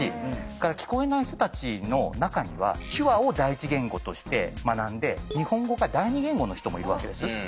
それから聞こえない人たちの中には手話を第一言語として学んで日本語が第二言語の人もいるわけです。